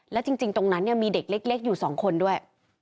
และจริงตรงนั้นเนี่ยมีเด็กเล็กอยู่๒คนด้วย